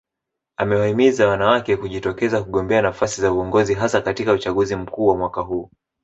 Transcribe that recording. Amewahimiza wanawake kujitokeza kugombea nafasi za uongozi hasa katika uchaguzi mkuu wa mwaka huu